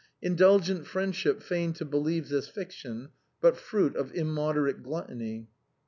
Indulgent friendship feigned to believe this fiction, the fruit of immoderate gluttony.